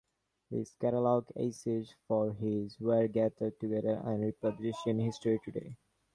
His catalogue essays for this were gathered together and republished in 'History Today'.